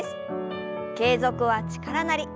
「継続は力なり」。